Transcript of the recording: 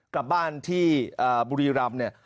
กลับบ้านที่บุรีรำเนี่ย